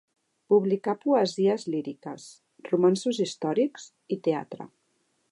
Publicà poesies líriques, romanços històrics, i teatre.